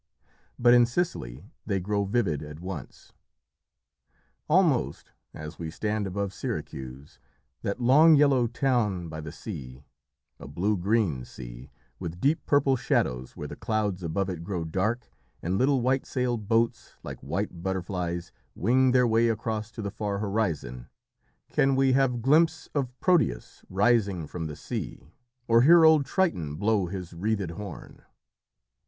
But in Sicily they grow vivid at once. Almost, as we stand above Syracuse, that long yellow town by the sea a blue green sea, with deep purple shadows where the clouds above it grow dark, and little white sailed boats, like white butterflies, wing their way across to the far horizon can we "Have glimpse of Proteus rising from the sea, Or hear old Triton blow his wreathèd horn."